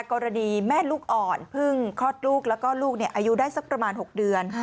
กรณีแม่ลูกอ่อนเพิ่งคลอดลูกแล้วก็ลูกอายุได้สักประมาณ๖เดือน